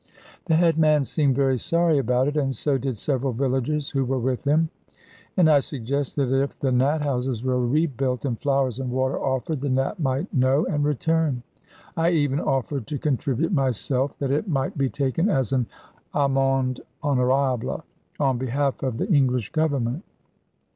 The headman seemed very sorry about it, and so did several villagers who were with him; and I suggested that if the Nat houses were rebuilt, and flowers and water offered, the Nat might know and return. I even offered to contribute myself, that it might be taken as an amende honorable on behalf of the English Government.